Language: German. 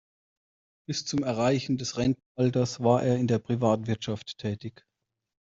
Bis zum Erreichen des Rentenalters war er in der Privatwirtschaft tätig.